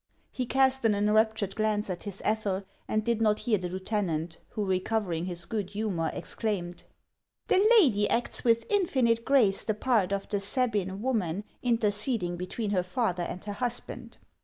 He cast an enraptured glance at his Ethel, and did not hear the lieutenant, who, recov ering his good humor, exclaimed :" The lady acts with infinite grace the part of the Sabine woman interceding be tween her father and her husband.